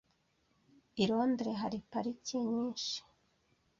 I Londres hari parike nyinshi.